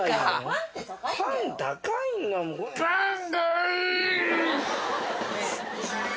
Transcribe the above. パン高いんだもん。